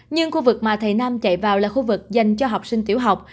nhưng khu vực mà thầy nam chạy vào là khu vực dành cho học sinh tiểu học